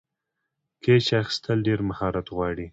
کېچ اخیستل ډېر مهارت غواړي.